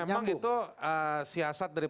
memang itu siasat dari